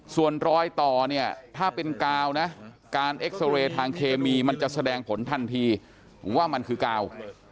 ส่วนรอยต่อเนี่ยถ้าเป็นกาวนะการเอ็กซอเรย์ทางเคมีมันจะแสดงผลทันทีว่ามันคือกาว